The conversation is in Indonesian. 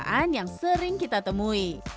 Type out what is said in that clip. pekerjaan yang sering kita temui